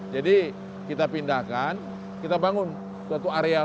jadi kita pindahkan kita bangun suatu area